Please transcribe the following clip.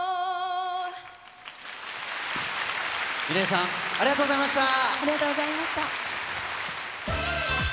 ｍｉｌｅｔさん、ありがとうございました。